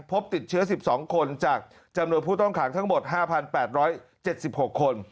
พบติดเชื้อสิบสองคนจากจำนวนผู้ต้องหางทั้งหมดห้าพันแปดร้อยเจ็ดสิบหกคน